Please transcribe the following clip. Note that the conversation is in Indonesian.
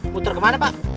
puter kemana pa